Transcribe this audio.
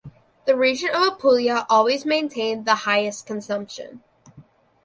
The region of Apulia always maintained the highest consumption.